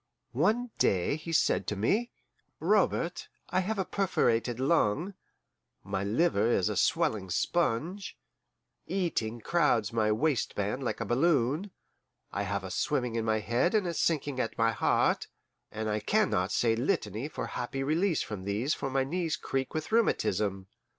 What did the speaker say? One day he said to me: "Robert, I have a perforated lung, my liver is a swelling sponge, eating crowds my waistband like a balloon, I have a swimming in my head and a sinking at my heart, and I can not say litany for happy release from these for my knees creak with rheumatism.